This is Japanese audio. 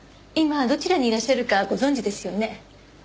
今どちらにいらっしゃるかご存じですよね？